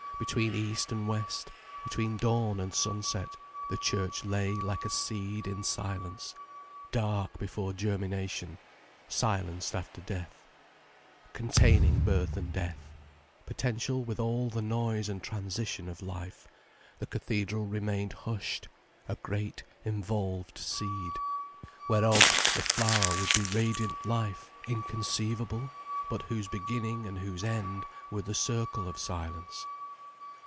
Between east and west, between dawn and sunset, the church lay like a seed in silence, dark before germination, silenced after death. Containing birth and death, potential with all the noise and transition of life, the cathedral remained hushed, a great, involved seed, whereof the flower would be radiant life inconceivable, but whose beginning and whose end were the circle of silence.